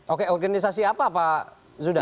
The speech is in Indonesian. oke organisasi apa pak zudan